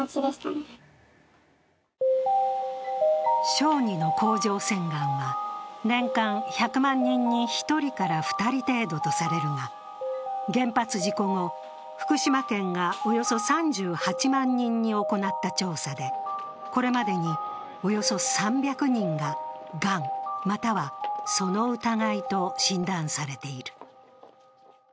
小児の甲状腺がんは年間１００万人に１人から２人程度とされるが、原発事故後、福島県がおよそ３８万人に行った調査で、これまでにおよそ３００人ががん、またはその疑いと診断されている。